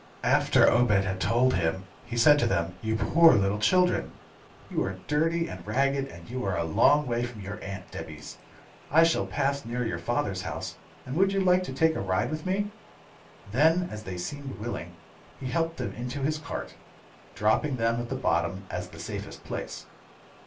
After Obed had told him, he said to them, "You poor little children! You are dirty and ragged, and you are a long way from your aunt Debby's. I shall pass near your father's house, and would you like to take a ride with me?" Then, as they seemed willing, he helped them into his cart, dropping them at the bottom as the safest place.